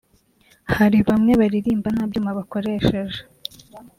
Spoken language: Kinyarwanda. Hari bamwe baririmba nta byuma bakoresheje